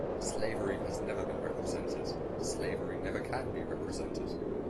Slavery has never been represented; Slavery never can be represented.